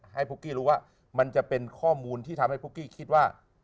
ปุ๊กกี้รู้ว่ามันจะเป็นข้อมูลที่ทำให้ปุ๊กกี้คิดว่า